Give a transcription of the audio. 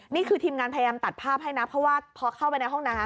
นี่คือทีมงานพยายามตัดภาพให้นะเพราะว่าพอเข้าไปในห้องน้ำ